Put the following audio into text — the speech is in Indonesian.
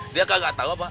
dia kagak tau apa